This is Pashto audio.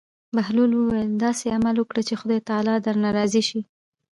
بهلول وویل: داسې عمل وکړه چې خدای تعالی درنه راضي شي.